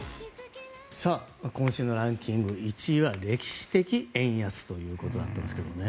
今週のランキング１位は歴史的円安ということでしたけどね。